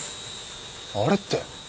あれって。